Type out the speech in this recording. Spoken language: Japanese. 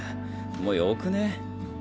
もうよくね？